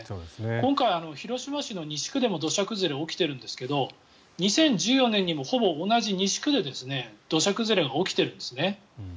今回、広島市の西区でも土砂崩れが起きているんですが２０１４年にもほぼ同じ、西区で土砂崩れが起きているんですね。